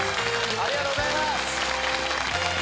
ありがとうございます。